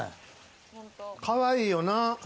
かわいいよな。